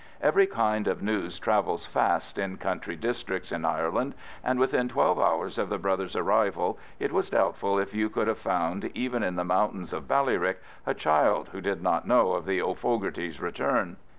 Every kind of news travels fast in country districts in Ireland, and within twelve hours of the brothers' arrival it is doubtful if you could have found, even in the mountains of Ballyrick, a child who did not know of the O'Fogartys' return.